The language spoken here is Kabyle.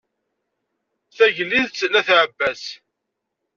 Tagliḍt n at ɛebbas.